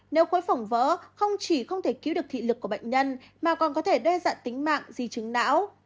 nếu khối phòng vỡ không chỉ không thể cứu được thị lực của bệnh nhân mà còn có thể đe dạng tính mạng di chứng não